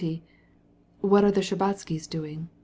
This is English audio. "What are the Shtcherbatskys doing?